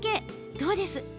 どうです？